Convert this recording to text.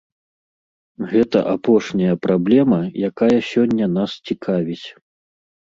Гэта апошняя праблема, якая сёння нас цікавіць.